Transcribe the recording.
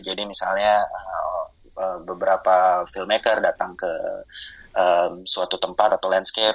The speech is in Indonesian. jadi misalnya beberapa filmmaker datang ke suatu tempat atau landscape